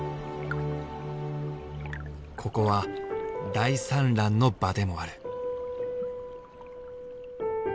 ここは大産卵の場でもある。